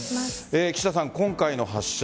岸田さん、今回の発射